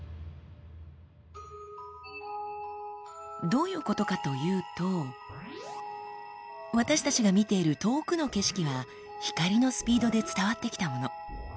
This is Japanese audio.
どういうことかというと私たちが見ている遠くの景色は光のスピードで伝わってきたもの。